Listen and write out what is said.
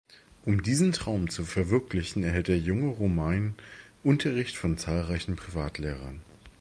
Um diesen Traum zu verwirklichen, erhält der junge Romain Unterricht von zahlreichen Privatlehrern.